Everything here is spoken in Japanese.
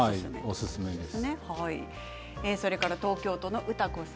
おすすめです。